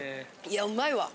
いやうまいわ！